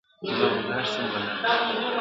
په جنازه کي یې اویا زرو ملکو ژړل ,